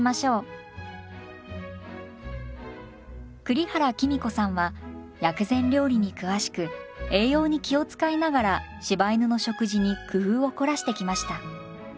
栗原公子さんは薬膳料理に詳しく栄養に気を遣いながら柴犬の食事に工夫を凝らしてきました。